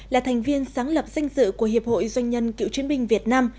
là thành viên sáng lập danh dự của hiệp hội doanh nhân cựu chiến binh việt nam